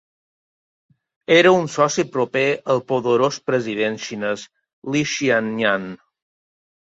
Era un soci proper al poderós president xinés Li Xiannian.